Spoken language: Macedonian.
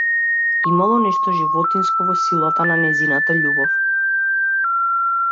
Имало нешто животинско во силата на нејзината љубов.